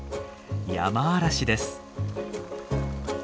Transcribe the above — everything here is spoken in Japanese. ヤマアラシです。